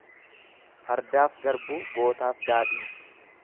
Fardaaf garbuu, gootaaf daadhii.